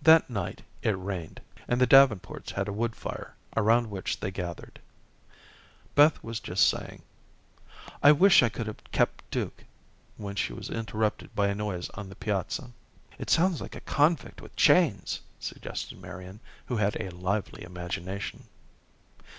That night it rained, and the Davenports had a wood fire around which they gathered. Beth was just saying, "I wish I could have kept Duke," when she was interrupted by a noise upon the piazza. "It sounds like a convict with chains," suggested Marian, who had a lively imagination.